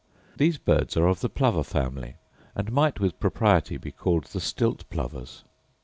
These birds are of the plover family, and might with propriety be called the stilt plovers.